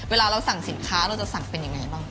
เวลาเราสั่งสินค้าเราจะสั่งเป็นยังไงบ้าง